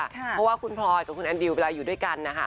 เพราะว่าคุณพลอยกับคุณแอนดิวเวลาอยู่ด้วยกันนะคะ